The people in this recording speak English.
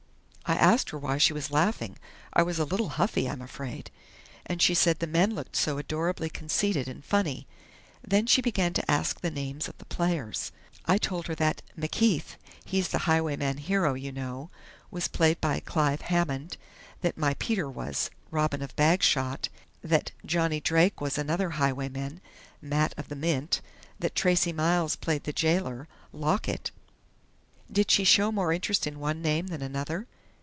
I asked her why she was laughing I was a little huffy, I'm afraid and she said the men looked so adorably conceited and funny. Then she began to ask the names of the players. I told her that 'Macheath' he's the highwayman hero, you know was played by Clive Hammond; that my Peter was 'Robin of Bagshot', that Johnny Drake was another highwayman, 'Mat of the Mint', that Tracey Miles played the jailor, 'Lockit' " "Did she show more interest in one name than another?"